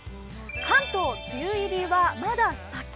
関東、梅雨入りはまだ先。